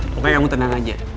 pokoknya kamu tenang aja